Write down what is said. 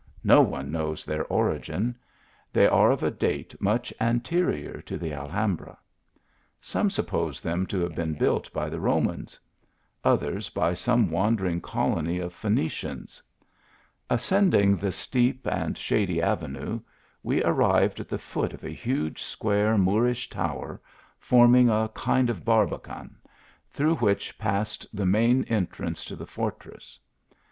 No one knows their origin. They are of a date much an terior to the Alhambra. Some suppose them to have been built by the Romans ; others, by some wander ing colony of rV.crucip.ri3. Ascending the steep and shady avenue, we arrived at the foot of a huge square Moorish tower, forming a kind of barbican, through which passed the main entrance to the fortress.